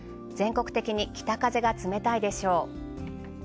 全国的に北風が冷たいでしょう。